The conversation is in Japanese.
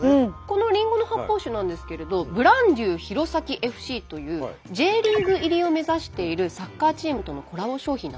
このりんごの発泡酒なんですけれどブランデュー弘前ＦＣというＪリーグ入りを目指しているサッカーチームとのコラボ商品。